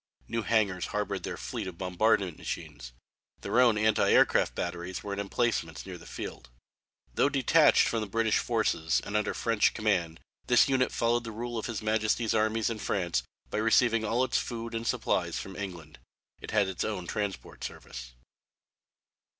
New hangars harboured their fleet of bombardment machines. Their own anti aircraft batteries were in emplacements near the field. Though detached from the British forces and under French command this unit followed the rule of His Majesty's armies in France by receiving all of its food and supplies from England. It had its own transport service.